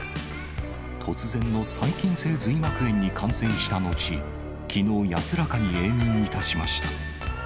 突然の細菌性髄膜炎に感染した後、きのう、安らかに永眠いたしました。